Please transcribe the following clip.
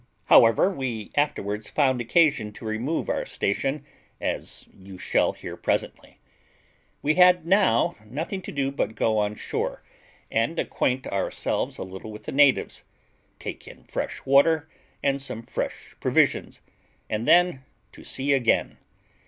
However, we afterwards found occasion to remove our station, as you shall hear presently. We had now nothing to do but go on shore, and acquaint ourselves a little with the natives, take in fresh water and some fresh provisions, and then to sea again.